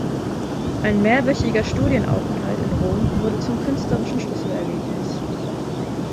Ein mehrwöchiger Studienaufenthalt in Rom wurde zum künstlerischen Schlüsselerlebnis.